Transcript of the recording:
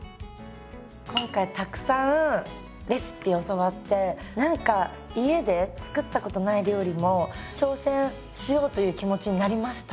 今回たくさんレシピを教わって何か家で作ったことない料理も挑戦しようという気持ちになりました。